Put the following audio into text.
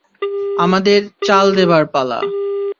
আমাদের চাল দেবার পালা।